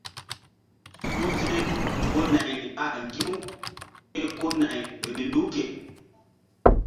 Suhze ko nayri ɓa ŋgi̧-u ke ko nay vbilu ke.